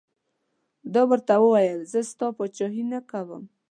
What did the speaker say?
ده ورته وویل زه ستا پاچهي نه کوم.